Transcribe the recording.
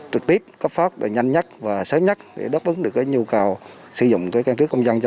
trực tiếp cấp phát nhanh nhất và sớm nhất để đáp ứng được nhu cầu sử dụng các căn cước công dân cho